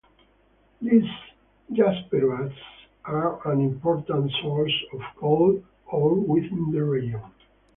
These jasperoids are an important source of gold ore within the region.